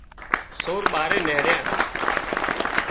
سور ٻاري نيهريا